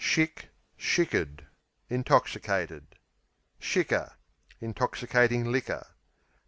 Shick, shickered Intoxicated. Shicker Intoxicating liquor.